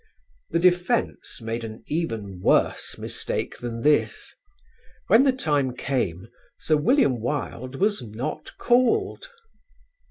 The defence made an even worse mistake than this. When the time came, Sir William Wilde was not called.